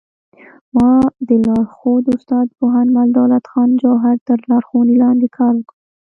ما د لارښود استاد پوهنمل دولت خان جوهر تر لارښوونې لاندې کار وکړ